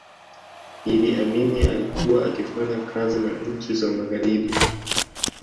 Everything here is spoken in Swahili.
iddi amini alikuwa akifanya kazi na nchi za magharibi